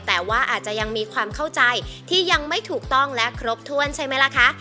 แต่ว่าอาจจะยังมีความเข้าใจที่ยังไม่ถูกต้องและครบถ้วนใช่ไหมล่ะคะ